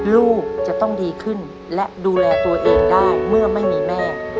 ลูกจะต้องดีขึ้นและดูแลตัวเองได้เมื่อไม่มีแม่